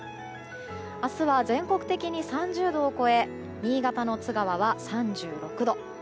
明日は全国的に３０度を超え新潟の津川は３６度。